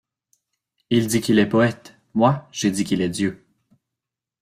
Il dit qu’il est poète, moi je dis qu’il est dieu...